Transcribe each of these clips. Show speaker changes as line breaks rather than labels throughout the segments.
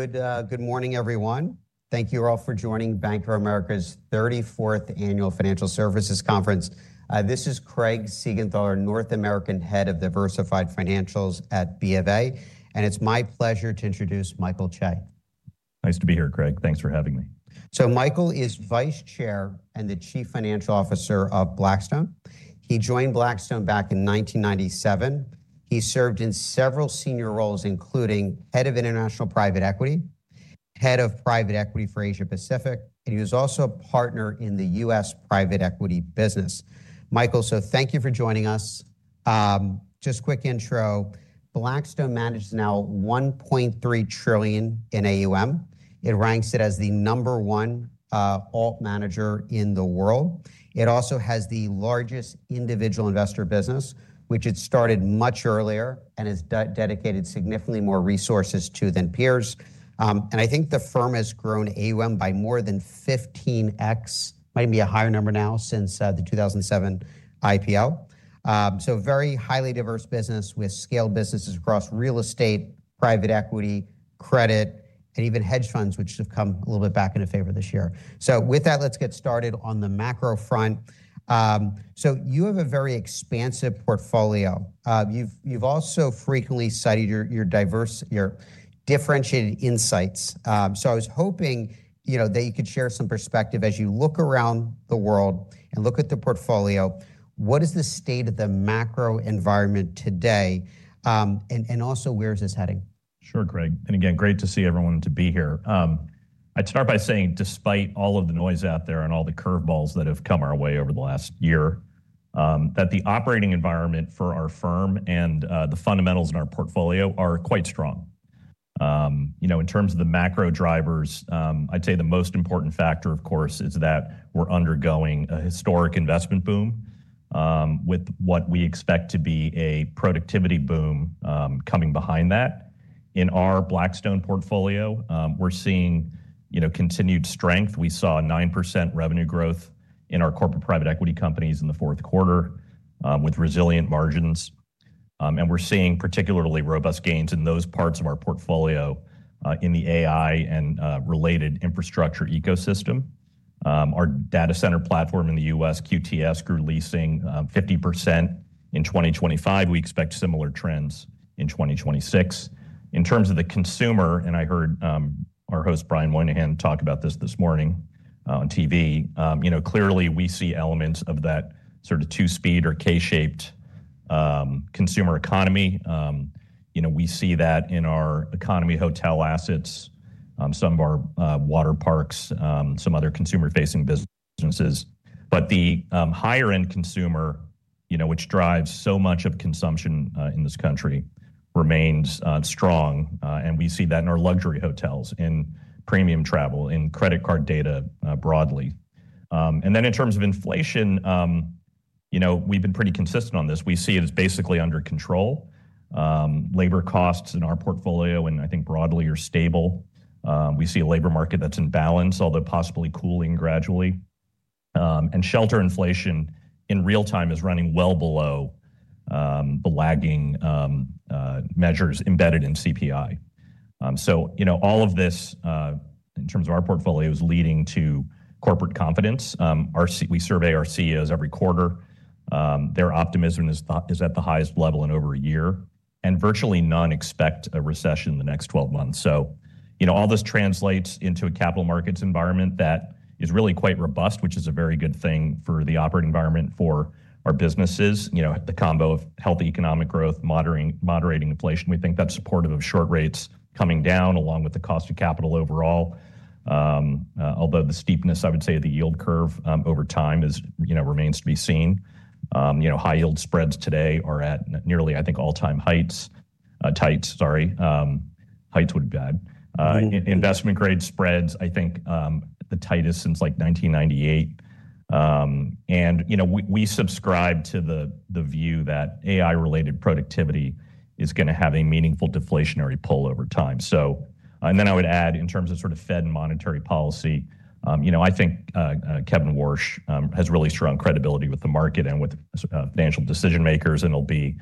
Good morning, everyone. Thank you all for joining Bank of America's 34th Annual Financial Services Conference. This is Craig Siegenthaler, North American Head of Diversified Financials at BofA, and it's my pleasure to introduce Michael Chae.
Nice to be here, Craig. Thanks for having me.
So Michael is Vice Chair and Chief Financial Officer of Blackstone. He joined Blackstone back in 1997. He served in several senior roles, including Head of International Private Equity, Head of Private Equity for Asia-Pacific, and he was also a partner in the US private equity business. Michael, so thank you for joining us. Just quick intro: Blackstone manages now $1.3 trillion in AUM. It ranks it as the number one alt manager in the world. It also has the largest individual investor business, which it started much earlier and has dedicated significantly more resources to than peers. And I think the firm has grown AUM by more than 15x, might be a higher number now since the 2007 IPO. So very highly diverse business with scale businesses across real estate, private equity, credit, and even hedge funds, which have come a little bit back into favor this year. With that, let's get started on the macro front. You have a very expansive portfolio. You've also frequently cited your differentiated insights. I was hoping that you could share some perspective as you look around the world and look at the portfolio. What is the state of the macro environment today, and also where is this heading?
Sure, Craig. And again, great to see everyone and to be here. I'd start by saying, despite all of the noise out there and all the curveballs that have come our way over the last year, that the operating environment for our firm and the fundamentals in our portfolio are quite strong. In terms of the macro drivers, I'd say the most important factor, of course, is that we're undergoing a historic investment boom with what we expect to be a productivity boom coming behind that. In our Blackstone portfolio, we're seeing continued strength. We saw 9% revenue growth in our corporate private equity companies in the fourth quarter with resilient margins. And we're seeing particularly robust gains in those parts of our portfolio in the AI and related infrastructure ecosystem. Our data center platform in the U.S., QTS, grew leasing 50% in 2025. We expect similar trends in 2026. In terms of the consumer, and I heard our host Brian Moynihan talk about this this morning on TV, clearly we see elements of that sort of two-speed or K-shaped consumer economy. We see that in our economy hotel assets, some of our water parks, some other consumer-facing businesses. But the higher-end consumer, which drives so much of consumption in this country, remains strong. And we see that in our luxury hotels, in premium travel, in credit card data broadly. And then in terms of inflation, we've been pretty consistent on this. We see it is basically under control. Labor costs in our portfolio, and I think broadly, are stable. We see a labor market that's in balance, although possibly cooling gradually. And shelter inflation in real time is running well below the lagging measures embedded in CPI. So all of this, in terms of our portfolio, is leading to corporate confidence. We survey our CEOs every quarter. Their optimism is at the highest level in over a year. And virtually none expect a recession in the next 12 months. So all this translates into a capital markets environment that is really quite robust, which is a very good thing for the operating environment for our businesses, the combo of healthy economic growth, moderating inflation. We think that's supportive of short rates coming down along with the cost of capital overall, although the steepness, I would say, of the yield curve over time remains to be seen. High-yield spreads today are at nearly, I think, all-time heights. Tights, sorry. Heights would be bad. Investment-grade spreads, I think, the tightest since like 1998. We subscribe to the view that AI-related productivity is going to have a meaningful deflationary pull over time. And then I would add, in terms of sort of Fed and monetary policy, I think Kevin Warsh has really strong credibility with the market and with financial decision makers, and it'll be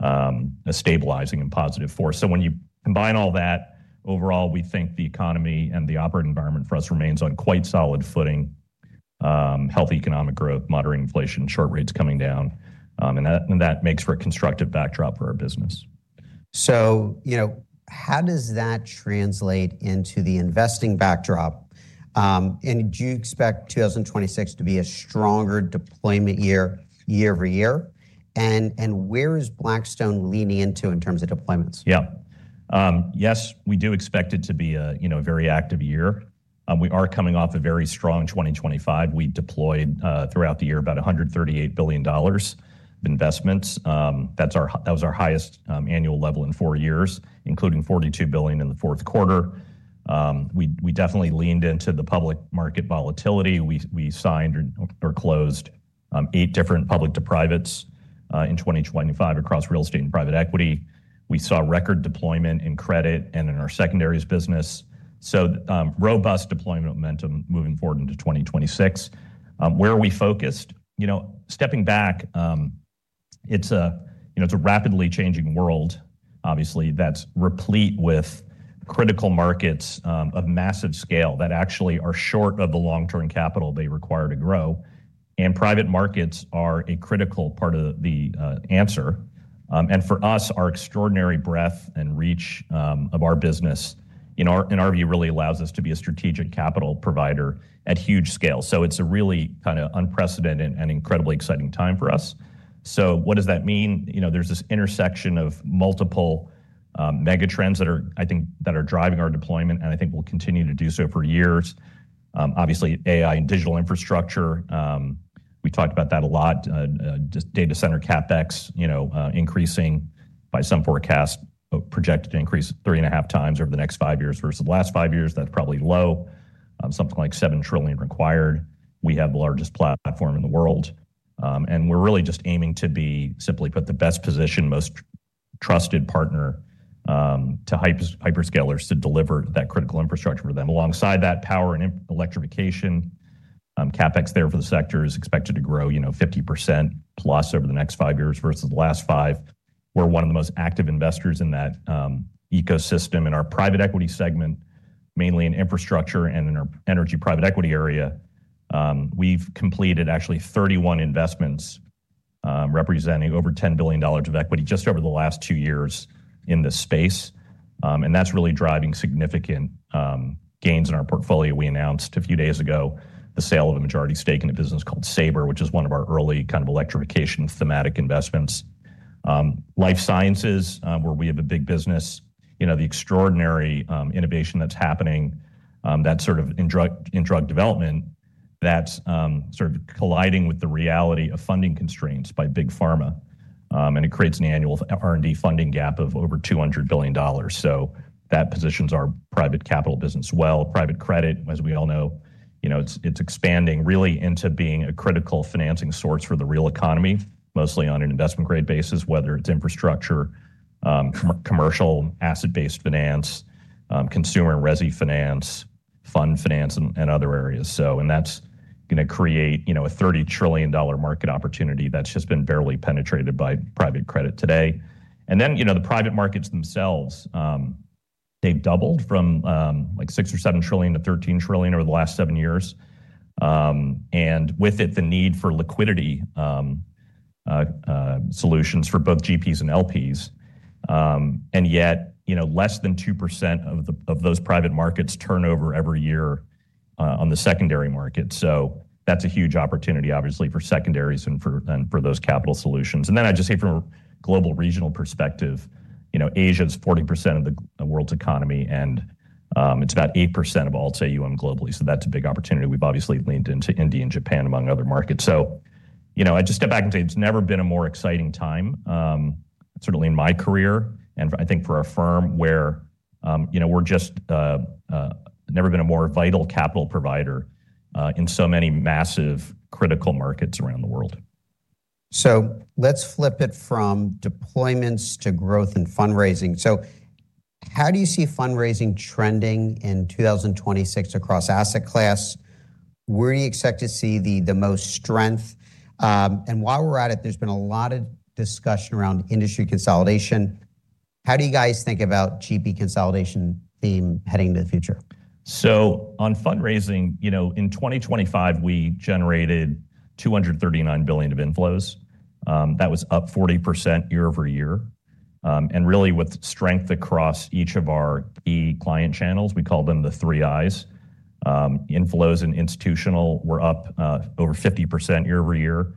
a stabilizing and positive force. So when you combine all that, overall, we think the economy and the operating environment for us remains on quite solid footing: healthy economic growth, moderating inflation, short rates coming down. And that makes for a constructive backdrop for our business.
How does that translate into the investing backdrop? Do you expect 2026 to be a stronger deployment year over year? Where is Blackstone leaning into in terms of deployments?
Yeah. Yes, we do expect it to be a very active year. We are coming off a very strong 2025. We deployed throughout the year about $138 billion of investments. That was our highest annual level in four years, including $42 billion in the fourth quarter. We definitely leaned into the public market volatility. We signed or closed eight different public to private in 2025 across real estate and private equity. We saw record deployment in credit and in our secondaries business. So robust deployment momentum moving forward into 2026. Where are we focused? Stepping back, it's a rapidly changing world, obviously, that's replete with critical markets of massive scale that actually are short of the long-term capital they require to grow. And private markets are a critical part of the answer. And for us, our extraordinary breadth and reach of our business, in our view, really allows us to be a strategic capital provider at huge scale. So it's a really kind of unprecedented and incredibly exciting time for us. So what does that mean? There's this intersection of multiple megatrends that are, I think, driving our deployment, and I think will continue to do so for years. Obviously, AI and digital infrastructure. We talked about that a lot. Data center CapEx increasing by some forecast, projected to increase 3.5 times over the next five years versus the last five years. That's probably low. Something like $7 trillion required. We have the largest platform in the world. And we're really just aiming to be simply put the best position, most trusted partner to hyperscalers to deliver that critical infrastructure for them. Alongside that, power and electrification. CapEx there for the sector is expected to grow 50%+ over the next five years versus the last five. We're one of the most active investors in that ecosystem in our private equity segment, mainly in infrastructure and in our energy private equity area. We've completed actually 31 investments representing over $10 billion of equity just over the last two years in this space. That's really driving significant gains in our portfolio. We announced a few days ago the sale of a majority stake in a business called Saber, which is one of our early kind of electrification thematic investments. Life Sciences, where we have a big business, the extraordinary innovation that's happening, that sort of in drug development that's sort of colliding with the reality of funding constraints by big pharma. It creates an annual R&D funding gap of over $200 billion. So that positions our private capital business well. Private credit, as we all know, it's expanding really into being a critical financing source for the real economy, mostly on an investment-grade basis, whether it's infrastructure, commercial asset-based finance, consumer and resi finance, fund finance, and other areas. And that's going to create a $30 trillion market opportunity that's just been barely penetrated by private credit today. And then the private markets themselves, they've doubled from like $6 or $7 trillion to $13 trillion over the last seven years. And with it, the need for liquidity solutions for both GPs and LPs. And yet, less than 2% of those private markets turn over every year on the secondary market. So that's a huge opportunity, obviously, for secondaries and for those capital solutions. Then I just say from a global regional perspective, Asia is 40% of the world's economy, and it's about 8% of all AUM globally. So that's a big opportunity. We've obviously leaned into India and Japan, among other markets. So I'd just step back and say it's never been a more exciting time, certainly in my career and I think for our firm, where we're just never been a more vital capital provider in so many massive critical markets around the world.
So let's flip it from deployments to growth and fundraising. So how do you see fundraising trending in 2026 across asset class? Where do you expect to see the most strength? And while we're at it, there's been a lot of discussion around industry consolidation. How do you guys think about GP consolidation theme heading into the future?
So on fundraising, in 2025, we generated $239 billion of inflows. That was up 40% year-over-year. And really, with strength across each of our key client channels, we call them the three I's. Inflows in institutional were up over 50% year-over-year.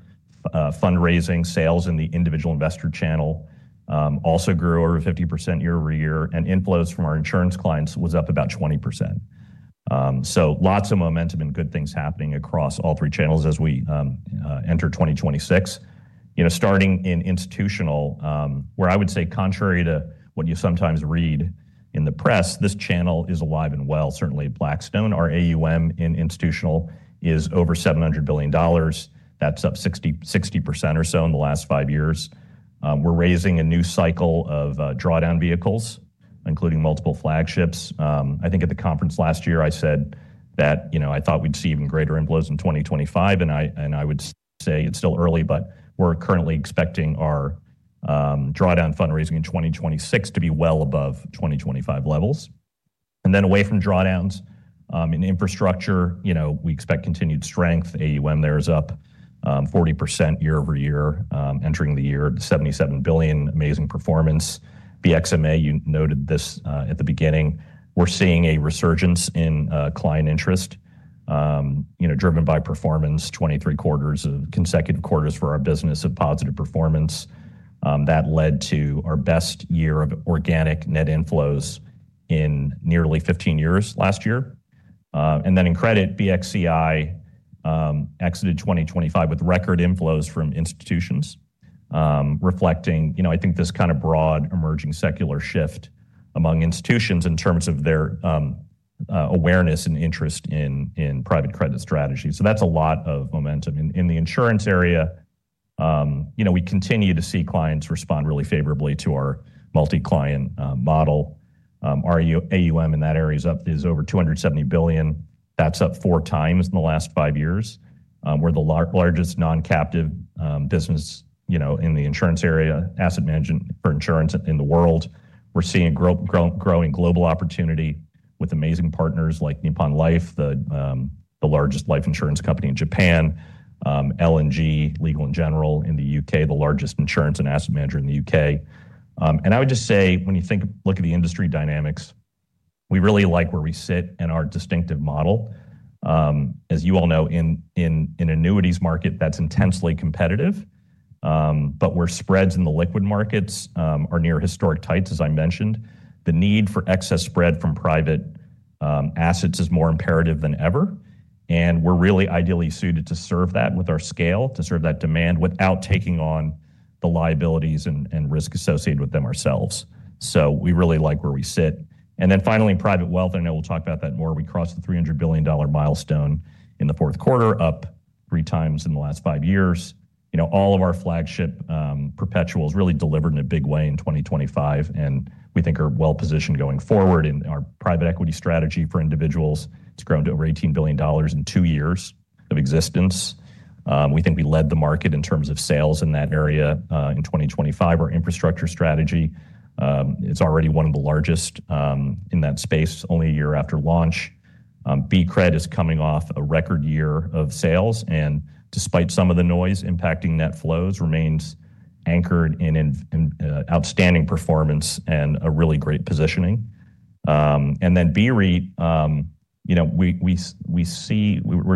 Fundraising, sales in the individual investor channel also grew over 50% year-over-year. And inflows from our insurance clients were up about 20%. So lots of momentum and good things happening across all three channels as we enter 2026. Starting in institutional, where I would say contrary to what you sometimes read in the press, this channel is alive and well, certainly at Blackstone. Our AUM in institutional is over $700 billion. That's up 60% or so in the last five years. We're raising a new cycle of drawdown vehicles, including multiple flagships. I think at the conference last year, I said that I thought we'd see even greater inflows in 2025. I would say it's still early, but we're currently expecting our drawdown fundraising in 2026 to be well above 2025 levels. And then away from drawdowns in infrastructure, we expect continued strength. AUM there is up 40% year-over-year, entering the year, $77 billion, amazing performance. BXMA, you noted this at the beginning. We're seeing a resurgence in client interest, driven by performance, 23 quarters of consecutive quarters for our business of positive performance. That led to our best year of organic net inflows in nearly 15 years last year. And then in credit, BXCI exited 2025 with record inflows from institutions, reflecting, I think, this kind of broad emerging secular shift among institutions in terms of their awareness and interest in private credit strategy. So that's a lot of momentum. In the insurance area, we continue to see clients respond really favorably to our multi-client model. Our AUM in that area is over $270 billion. That's up four times in the last five years. We're the largest non-captive business in the insurance area, asset management for insurance in the world. We're seeing a growing global opportunity with amazing partners like Nippon Life, the largest life insurance company in Japan, L&G Legal & General in the UK, the largest insurance and asset manager in the UK. And I would just say when you look at the industry dynamics, we really like where we sit in our distinctive model. As you all know, in annuities market, that's intensely competitive. But where spreads in the liquid markets are near historic tights, as I mentioned, the need for excess spread from private assets is more imperative than ever. And we're really ideally suited to serve that with our scale, to serve that demand without taking on the liabilities and risk associated with them ourselves. So we really like where we sit. And then finally, private wealth, and I know we'll talk about that more. We crossed the $300 billion milestone in the fourth quarter, up three times in the last five years. All of our flagship perpetuals really delivered in a big way in 2025. And we think are well positioned going forward. And our private equity strategy for individuals, it's grown to over $18 billion in two years of existence. We think we led the market in terms of sales in that area in 2025. Our infrastructure strategy, it's already one of the largest in that space, only a year after launch. BCRED is coming off a record year of sales. Despite some of the noise, impacting net flows remains anchored in outstanding performance and a really great positioning. Then BREIT, we're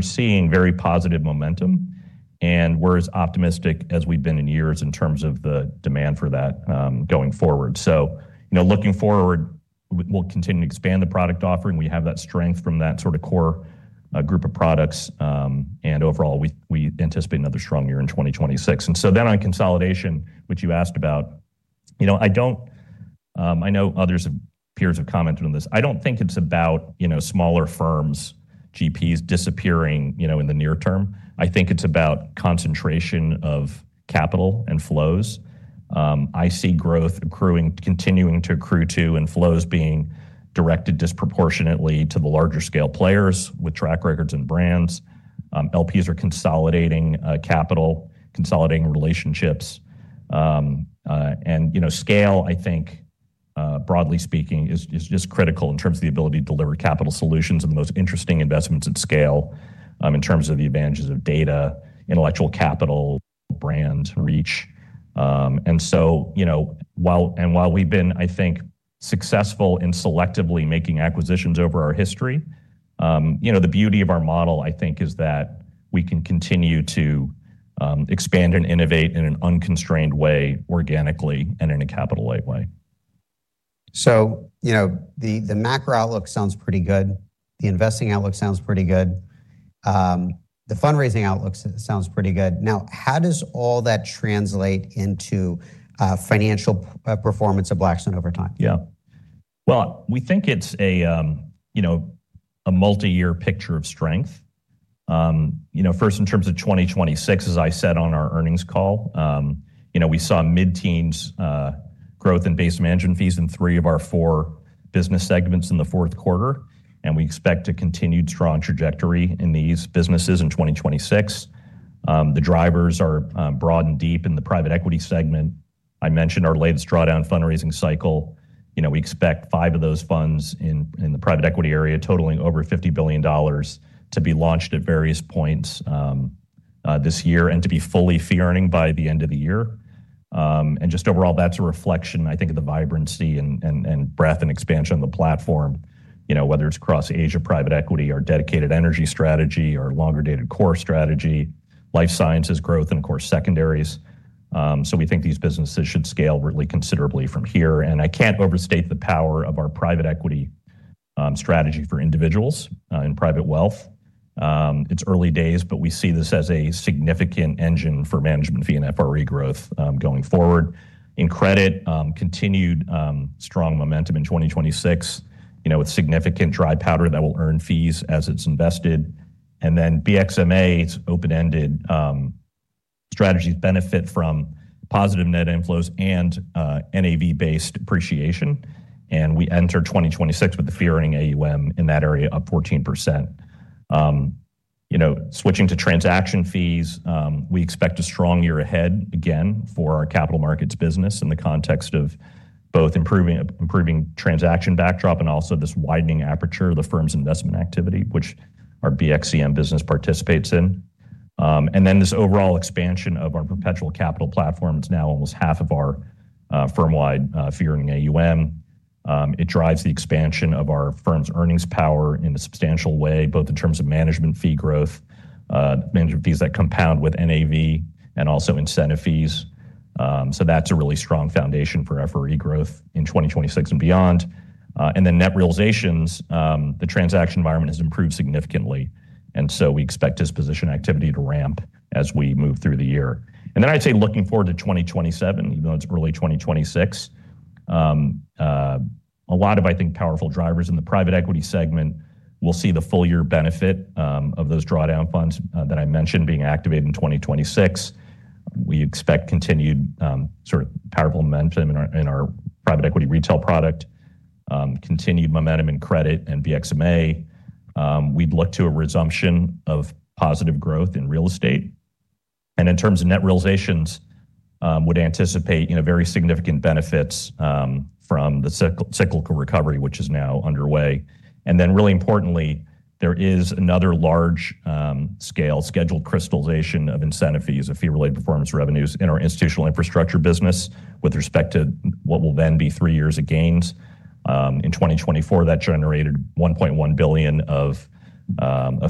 seeing very positive momentum. We're as optimistic as we've been in years in terms of the demand for that going forward. Looking forward, we'll continue to expand the product offering. We have that strength from that sort of core group of products. Overall, we anticipate another strong year in 2026. On consolidation, which you asked about, I know peers have commented on this. I don't think it's about smaller firms, GPs, disappearing in the near term. I think it's about concentration of capital and flows. I see growth accruing, continuing to accrue to, and flows being directed disproportionately to the larger scale players with track records and brands. LPs are consolidating capital, consolidating relationships. Scale, I think, broadly speaking, is just critical in terms of the ability to deliver capital solutions and the most interesting investments at scale in terms of the advantages of data, intellectual capital, brand reach. And so while we've been, I think, successful in selectively making acquisitions over our history, the beauty of our model, I think, is that we can continue to expand and innovate in an unconstrained way organically and in a capital-light way.
So the macro outlook sounds pretty good. The investing outlook sounds pretty good. The fundraising outlook sounds pretty good. Now, how does all that translate into financial performance of Blackstone over time?
Yeah. Well, we think it's a multi-year picture of strength. First, in terms of 2026, as I said on our earnings call, we saw mid-teens growth in base management fees in three of our four business segments in the fourth quarter. We expect a continued strong trajectory in these businesses in 2026. The drivers are broad and deep in the private equity segment. I mentioned our latest drawdown fundraising cycle. We expect five of those funds in the private equity area, totaling over $50 billion, to be launched at various points this year and to be fully fee-earning by the end of the year. Just overall, that's a reflection, I think, of the vibrancy and breadth and expansion of the platform, whether it's across Asia private equity, our dedicated energy strategy, our longer-dated core strategy, life sciences growth, and of course, secondaries. So we think these businesses should scale really considerably from here. And I can't overstate the power of our private equity strategy for individuals in private wealth. It's early days, but we see this as a significant engine for management fee and FRE growth going forward. In credit, continued strong momentum in 2026 with significant dry powder that will earn fees as it's invested. And then BXMA, its open-ended strategies benefit from positive net inflows and NAV-based appreciation. And we enter 2026 with the fee-earning AUM in that area up 14%. Switching to transaction fees, we expect a strong year ahead again for our capital markets business in the context of both improving transaction backdrop and also this widening aperture of the firm's investment activity, which our BXCM business participates in. And then this overall expansion of our perpetual capital platform, it's now almost half of our firm-wide fee-earning AUM. It drives the expansion of our firm's earnings power in a substantial way, both in terms of management fee growth, management fees that compound with NAV, and also incentive fees. So that's a really strong foundation for FRE growth in 2026 and beyond. And then net realizations: the transaction environment has improved significantly. And so we expect disposition activity to ramp as we move through the year. And then I'd say looking forward to 2027, even though it's early 2026, a lot of, I think, powerful drivers in the private equity segment will see the full-year benefit of those drawdown funds that I mentioned being activated in 2026. We expect continued sort of powerful momentum in our private equity retail product, continued momentum in credit and BXMA. We'd look to a resumption of positive growth in real estate. In terms of net realizations, we would anticipate very significant benefits from the cyclical recovery, which is now underway. Then really importantly, there is another large-scale scheduled crystallization of incentive fees, of fee-related performance revenues in our institutional infrastructure business with respect to what will then be three years of gains. In 2024, that generated $1.1 billion of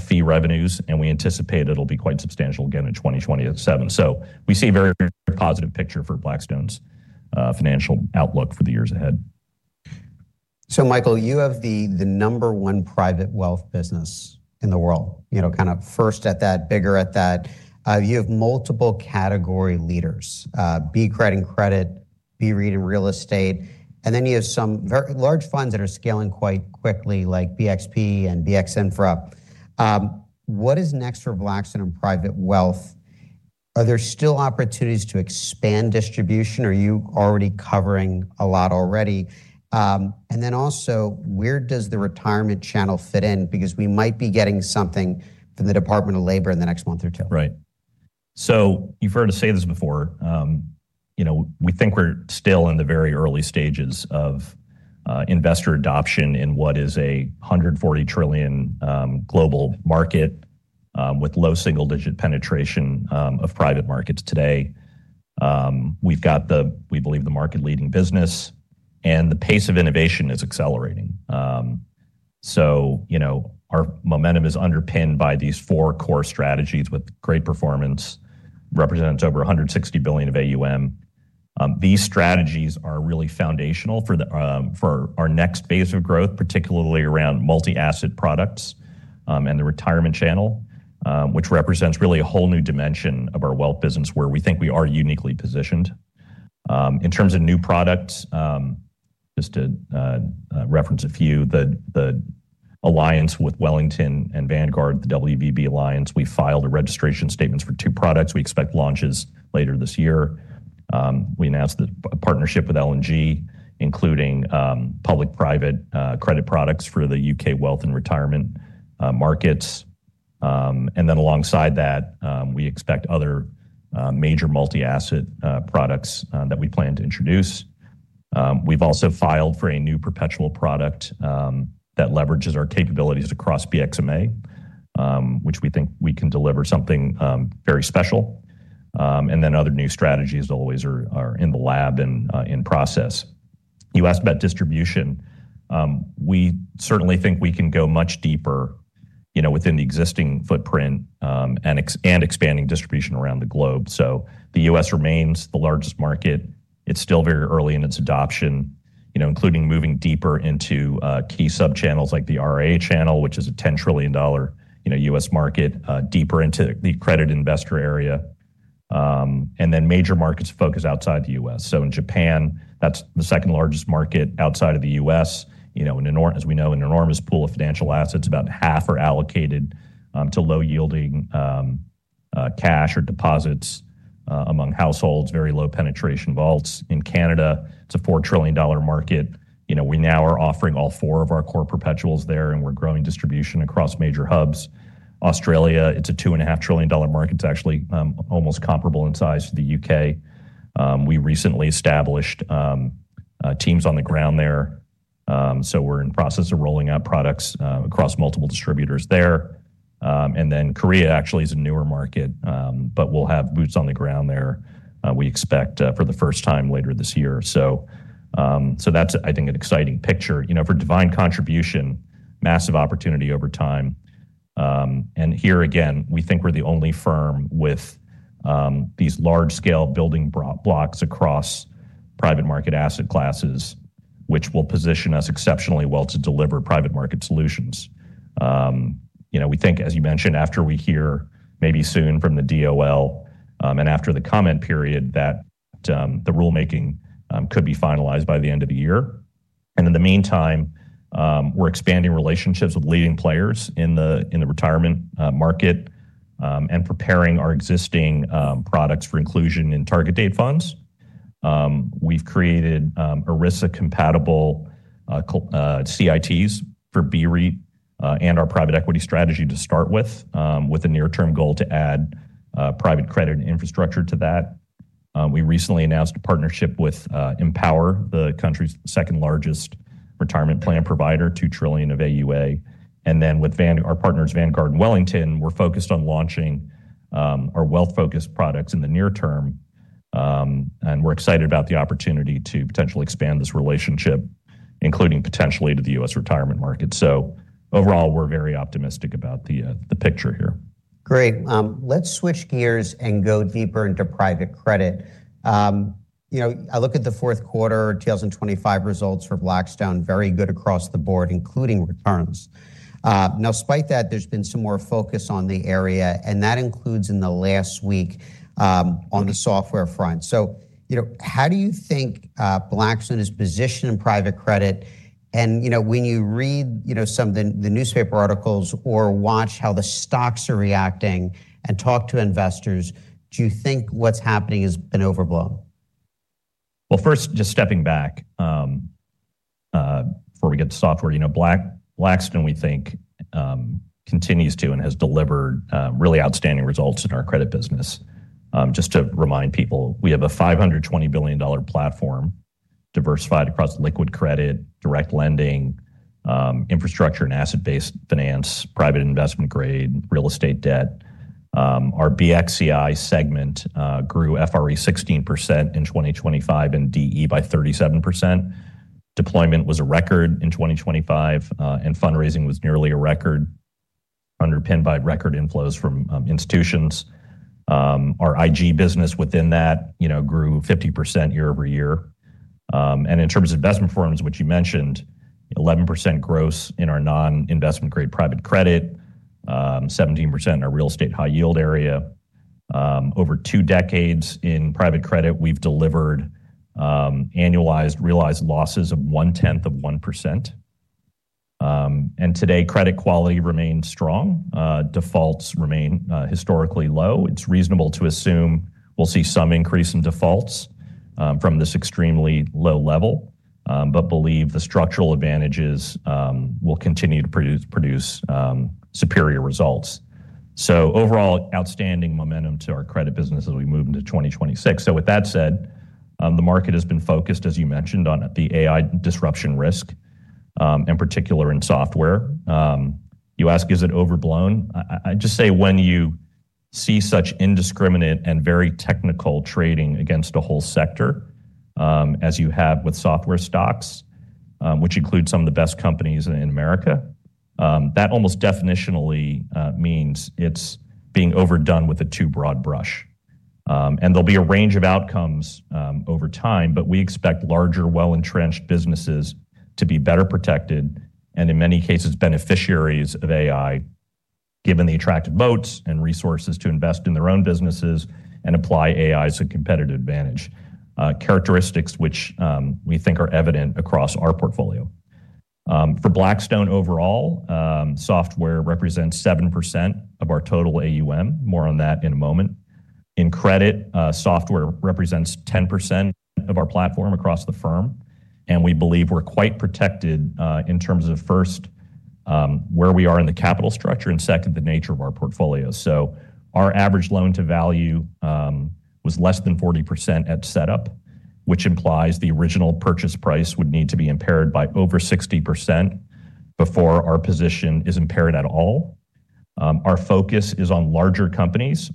fee revenues. We anticipate it'll be quite substantial again in 2027. We see a very positive picture for Blackstone's financial outlook for the years ahead.
So Michael, you have the number one private wealth business in the world, kind of first at that, bigger at that. You have multiple category leaders, BCRED in credit, BREIT in real estate. And then you have some very large funds that are scaling quite quickly like BXPE and BXINFRA. What is next for Blackstone and private wealth? Are there still opportunities to expand distribution? Are you already covering a lot already? And then also, where does the retirement channel fit in? Because we might be getting something from the Department of Labor in the next month or two.
Right. So you've heard us say this before. We think we're still in the very early stages of investor adoption in what is a $140 trillion global market with low single-digit penetration of private markets today. We've got, we believe, the market-leading business. And the pace of innovation is accelerating. So our momentum is underpinned by these four core strategies with great performance, represents over $160 billion of AUM. These strategies are really foundational for our next phase of growth, particularly around multi-asset products and the retirement channel, which represents really a whole new dimension of our wealth business where we think we are uniquely positioned. In terms of new products, just to reference a few, the alliance with Wellington and Vanguard, the WVB Alliance, we filed registration statements for two products. We expect launches later this year. We announced a partnership with L&G, including public-private credit products for the UK wealth and retirement markets. And then alongside that, we expect other major multi-asset products that we plan to introduce. We've also filed for a new perpetual product that leverages our capabilities across BXMA, which we think we can deliver something very special. And then other new strategies, as always, are in the lab and in process. You asked about distribution. We certainly think we can go much deeper within the existing footprint and expanding distribution around the globe. So the U.S. remains the largest market. It's still very early in its adoption, including moving deeper into key subchannels like the RIA channel, which is a $10 trillion U.S. market, deeper into the credit investor area. And then major markets focus outside the U.S. So in Japan, that's the second largest market outside of the U.S. As we know, an enormous pool of financial assets, about half are allocated to low-yielding cash or deposits among households, very low-penetration wealths. In Canada, it's a $4 trillion market. We now are offering all four of our core perpetuals there. And we're growing distribution across major hubs. Australia, it's a $2.5 trillion market. It's actually almost comparable in size to the UK. We recently established teams on the ground there. So we're in the process of rolling out products across multiple distributors there. And then Korea actually is a newer market. But we'll have boots on the ground there, we expect, for the first time later this year. So that's, I think, an exciting picture. From the wealth contribution, massive opportunity over time. And here again, we think we're the only firm with these large-scale building blocks across private market asset classes, which will position us exceptionally well to deliver private market solutions. We think, as you mentioned, after we hear maybe soon from the DOL and after the comment period, that the rulemaking could be finalized by the end of the year. And in the meantime, we're expanding relationships with leading players in the retirement market and preparing our existing products for inclusion in target date funds. We've created ERISA-compatible CITs for BREIT and our private equity strategy to start with, with a near-term goal to add private credit infrastructure to that. We recently announced a partnership with Empower, the country's second-largest retirement plan provider, $2 trillion of AUA. And then with our partners, Vanguard and Wellington, we're focused on launching our wealth-focused products in the near term. And we're excited about the opportunity to potentially expand this relationship, including potentially to the U.S. retirement market. So overall, we're very optimistic about the picture here.
Great. Let's switch gears and go deeper into private credit. I look at the fourth quarter, 2025 results for Blackstone, very good across the board, including returns. Now, despite that, there's been some more focus on the area. And that includes, in the last week, on the software front. So how do you think Blackstone is positioned in private credit? And when you read some of the newspaper articles or watch how the stocks are reacting and talk to investors, do you think what's happening has been overblown?
Well, first, just stepping back before we get to software, Blackstone, we think, continues to and has delivered really outstanding results in our credit business. Just to remind people, we have a $520 billion platform diversified across liquid credit, direct lending, infrastructure and asset-based finance, private investment grade, real estate debt. Our BXCI segment grew FRE 16% in 2025 and DE by 37%. Deployment was a record in 2025. Fundraising was nearly a record, underpinned by record inflows from institutions. Our IG business within that grew 50% year-over-year. In terms of investment performance, which you mentioned, 11% gross in our non-investment-grade private credit, 17% in our real estate high-yield area. Over two decades in private credit, we've delivered annualized realized losses of 0.1%. Today, credit quality remains strong. Defaults remain historically low. It's reasonable to assume we'll see some increase in defaults from this extremely low level. But believe the structural advantages will continue to produce superior results. So overall, outstanding momentum to our credit business as we move into 2026. So with that said, the market has been focused, as you mentioned, on the AI disruption risk, in particular in software. You ask, is it overblown? I'd just say when you see such indiscriminate and very technical trading against a whole sector, as you have with software stocks, which include some of the best companies in America, that almost definitionally means it's being overdone with a too broad brush. And there'll be a range of outcomes over time. But we expect larger, well-entrenched businesses to be better protected and, in many cases, beneficiaries of AI, given the attractive moats and resources to invest in their own businesses and apply AI as a competitive advantage, characteristics which we think are evident across our portfolio. For Blackstone overall, software represents 7% of our total AUM. More on that in a moment. In credit, software represents 10% of our platform across the firm. And we believe we're quite protected in terms of, first, where we are in the capital structure and, second, the nature of our portfolio. So our average loan-to-value was less than 40% at setup, which implies the original purchase price would need to be impaired by over 60% before our position is impaired at all. Our focus is on larger companies.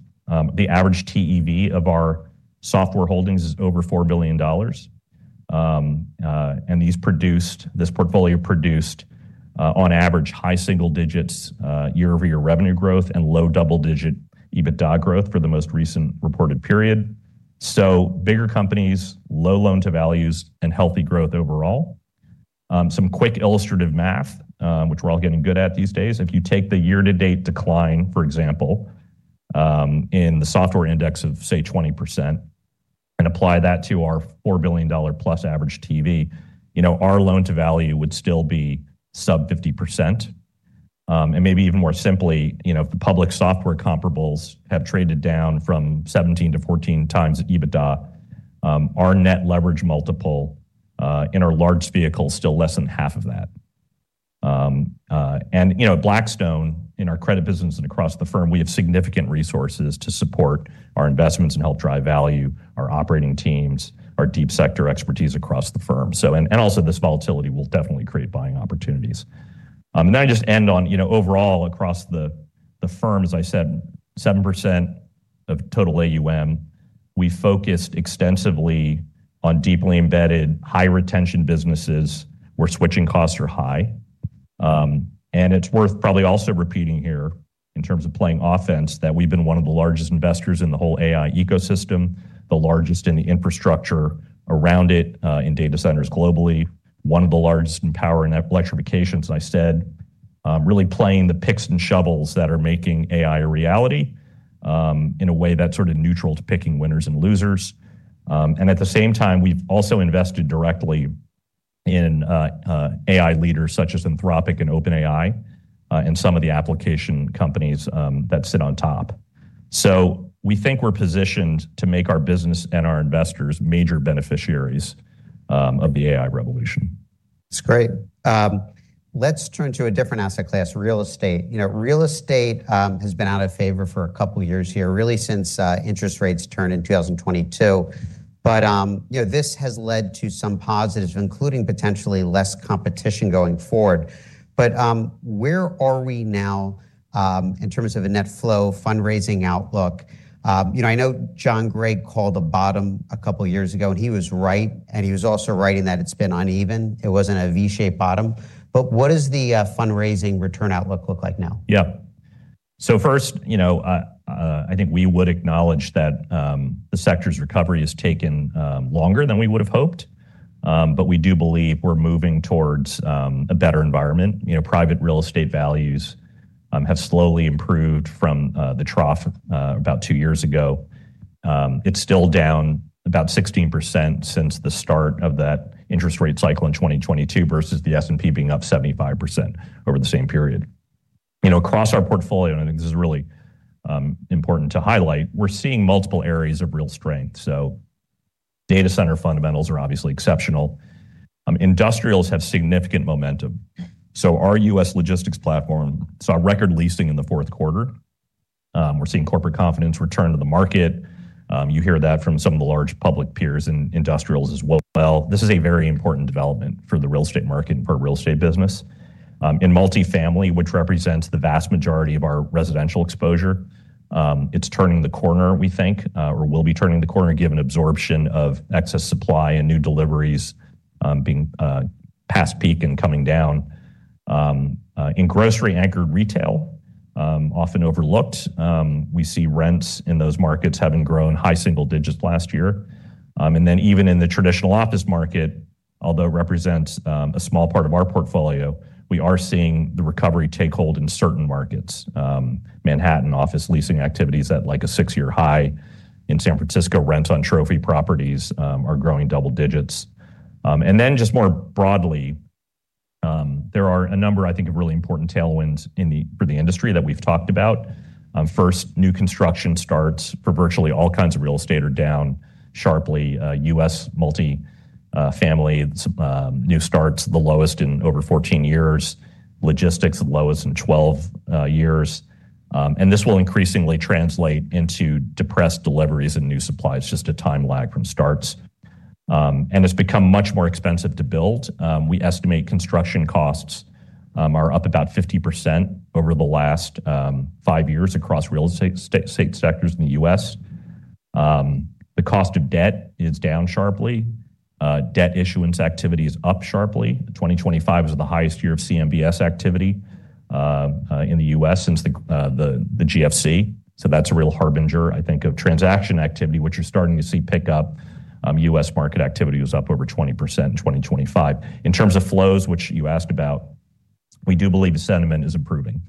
The average TEV of our software holdings is over $4 billion. This portfolio produced, on average, high single-digit year-over-year revenue growth and low double-digit EBITDA growth for the most recent reported period. Bigger companies, low loan-to-values, and healthy growth overall. Some quick illustrative math, which we're all getting good at these days. If you take the year-to-date decline, for example, in the software index of, say, 20% and apply that to our $4 billion+ average TEV, our loan-to-value would still be sub-50%. Maybe even more simply, if the public software comparables have traded down from 17x-14x EBITDA, our net leverage multiple in our large vehicle is still less than half of that. Blackstone, in our credit business and across the firm, we have significant resources to support our investments and help drive value, our operating teams, our deep sector expertise across the firm. Also, this volatility will definitely create buying opportunities. And then I just end on, overall, across the firm, as I said, 7% of total AUM. We focused extensively on deeply embedded, high-retention businesses where switching costs are high. And it's worth probably also repeating here, in terms of playing offense, that we've been one of the largest investors in the whole AI ecosystem, the largest in the infrastructure around it in data centers globally, one of the largest in power and electrification, as I said, really playing the picks and shovels that are making AI a reality in a way that's sort of neutral to picking winners and losers. And at the same time, we've also invested directly in AI leaders such as Anthropic and OpenAI and some of the application companies that sit on top. So we think we're positioned to make our business and our investors major beneficiaries of the AI revolution.
That's great. Let's turn to a different asset class, real estate. Real estate has been out of favor for a couple of years here, really since interest rates turned in 2022. But this has led to some positives, including potentially less competition going forward. But where are we now in terms of a net flow, fundraising outlook? I know John Gray called a bottom a couple of years ago. And he was right. And he was also writing that it's been uneven. It wasn't a V-shaped bottom. But what does the fundraising return outlook look like now?
Yeah. So first, I think we would acknowledge that the sector's recovery has taken longer than we would have hoped. But we do believe we're moving towards a better environment. Private real estate values have slowly improved from the trough about two years ago. It's still down about 16% since the start of that interest rate cycle in 2022 versus the S&P being up 75% over the same period. Across our portfolio, and I think this is really important to highlight, we're seeing multiple areas of real strength. So data center fundamentals are obviously exceptional. Industrials have significant momentum. So our US logistics platform saw record leasing in the fourth quarter. We're seeing corporate confidence return to the market. You hear that from some of the large public peers in industrials as well. This is a very important development for the real estate market and for real estate business. In multifamily, which represents the vast majority of our residential exposure, it's turning the corner, we think, or will be turning the corner given absorption of excess supply and new deliveries being past peak and coming down. In grocery-anchored retail, often overlooked, we see rents in those markets having grown high single digits last year. Even in the traditional office market, although it represents a small part of our portfolio, we are seeing the recovery take hold in certain markets. Manhattan office leasing activities at like a six-year high. In San Francisco, rents on trophy properties are growing double digits. Just more broadly, there are a number, I think, of really important tailwinds for the industry that we've talked about. First, new construction starts for virtually all kinds of real estate are down sharply. U.S. multifamily new starts, the lowest in over 14 years. Logistics, the lowest in 12 years. This will increasingly translate into depressed deliveries and new supplies. It's just a time lag from starts. It's become much more expensive to build. We estimate construction costs are up about 50% over the last five years across real estate sectors in the U.S. The cost of debt is down sharply. Debt issuance activity is up sharply. 2025 was the highest year of CMBS activity in the U.S. since the GFC. So that's a real harbinger, I think, of transaction activity, which you're starting to see pick up. U.S. market activity was up over 20% in 2025. In terms of flows, which you asked about, we do believe the sentiment is improving.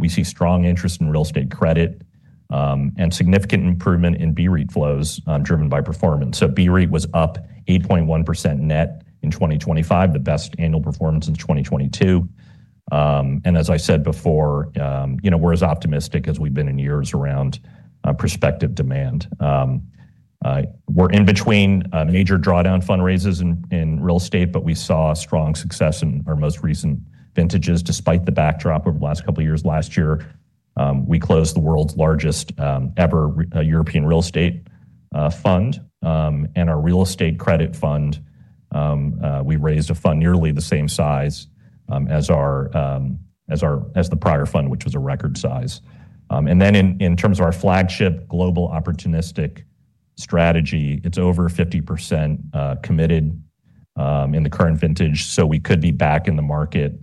We see strong interest in real estate credit and significant improvement in BREIT flows driven by performance. So BREIT was up 8.1% net in 2025, the best annual performance since 2022. And as I said before, we're as optimistic as we've been in years around prospective demand. We're in between major drawdown fundraisers in real estate. But we saw strong success in our most recent vintages despite the backdrop over the last couple of years. Last year, we closed the world's largest ever European real estate fund. And our real estate credit fund, we raised a fund nearly the same size as the prior fund, which was a record size. And then in terms of our flagship global opportunistic strategy, it's over 50% committed in the current vintage. So we could be back in the market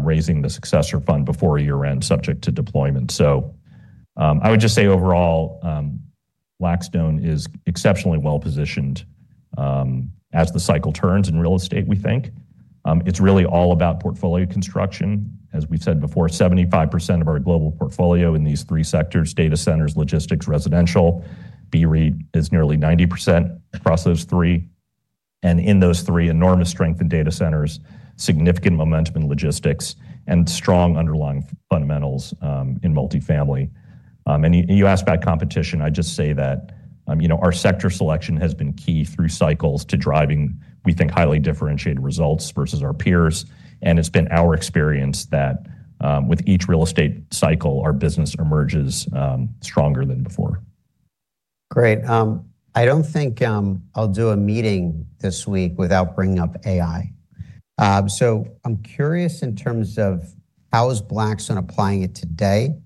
raising the successor fund before year-end, subject to deployment. So I would just say, overall, Blackstone is exceptionally well-positioned as the cycle turns in real estate, we think. It's really all about portfolio construction. As we've said before, 75% of our global portfolio in these three sectors, data centers, logistics, residential. BREIT is nearly 90% across those three. And in those three, enormous strength in data centers, significant momentum in logistics, and strong underlying fundamentals in multifamily. And you asked about competition. I'd just say that our sector selection has been key through cycles to driving, we think, highly differentiated results versus our peers. And it's been our experience that with each real estate cycle, our business emerges stronger than before.
Great. I don't think I'll do a meeting this week without bringing up AI. So I'm curious in terms of how is Blackstone applying it today?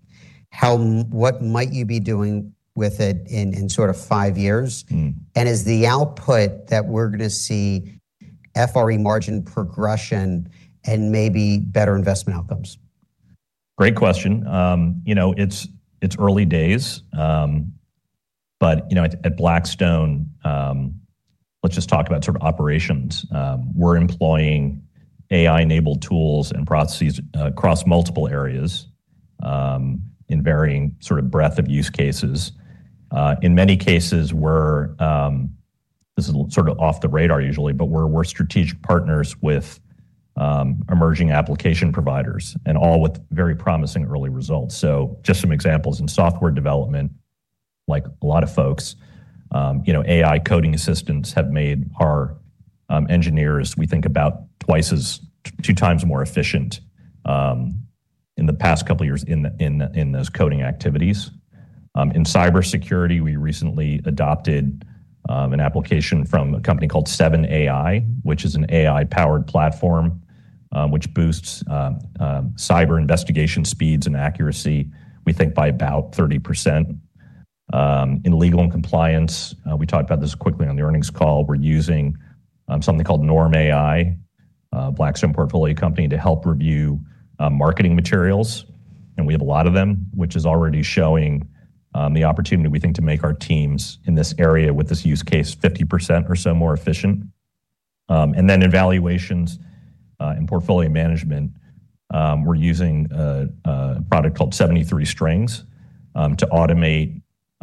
What might you be doing with it in sort of five years? And is the output that we're going to see FRE margin progression and maybe better investment outcomes?
Great question. It's early days. But at Blackstone, let's just talk about sort of operations. We're employing AI-enabled tools and processes across multiple areas in varying sort of breadth of use cases. In many cases, this is sort of off the radar usually. But we're strategic partners with emerging application providers, and all with very promising early results. So just some examples. In software development, like a lot of folks, AI coding assistants have made our engineers, we think, about two times more efficient in the past couple of years in those coding activities. In cybersecurity, we recently adopted an application from a company called Seven AI, which is an AI-powered platform, which boosts cyber investigation speeds and accuracy, we think, by about 30%. In legal and compliance, we talked about this quickly on the earnings call. We're using something called Norm Ai, Blackstone portfolio company, to help review marketing materials. We have a lot of them, which is already showing the opportunity, we think, to make our teams in this area with this use case 50% or so more efficient. Then in valuations and portfolio management, we're using a product called 73 Strings to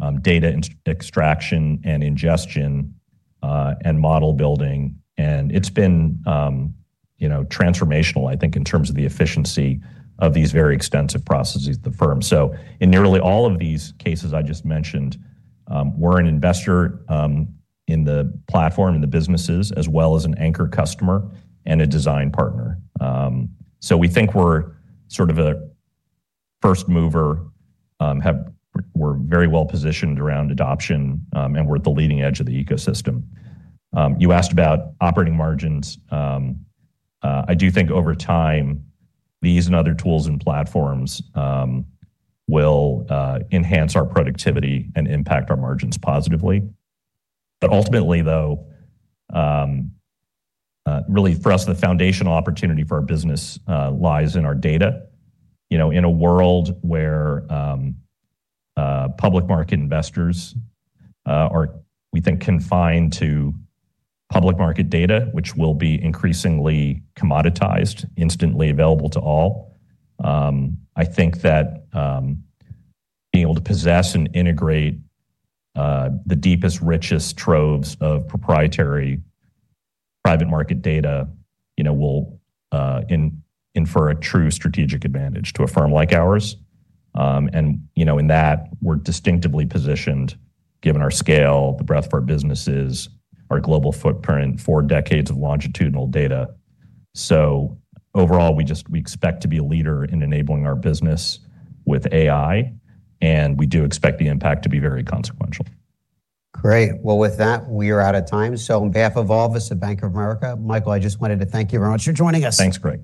automate data extraction and ingestion and model building. It's been transformational, I think, in terms of the efficiency of these very extensive processes at the firm. In nearly all of these cases I just mentioned, we're an investor in the platform, in the businesses, as well as an anchor customer and a design partner. We think we're sort of a first mover. We're very well-positioned around adoption. We're at the leading edge of the ecosystem. You asked about operating margins. I do think, over time, these and other tools and platforms will enhance our productivity and impact our margins positively. Ultimately, though, really, for us, the foundational opportunity for our business lies in our data. In a world where public market investors are, we think, confined to public market data, which will be increasingly commoditized, instantly available to all, I think that being able to possess and integrate the deepest, richest troves of proprietary private market data will infer a true strategic advantage to a firm like ours. In that, we're distinctively positioned, given our scale, the breadth of our businesses, our global footprint, four decades of longitudinal data. Overall, we expect to be a leader in enabling our business with AI. We do expect the impact to be very consequential.
Great. Well, with that, we are out of time. So on behalf of all of us at Bank of America, Michael, I just wanted to thank you very much for joining us.
Thanks, Craig.